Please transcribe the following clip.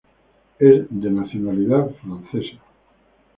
Es de nacionalidad francesa.